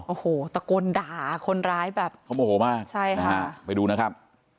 โอ้โหตะโกนด่าคนร้ายแบบเขาโมโหมากใช่ค่ะไปดูนะครับ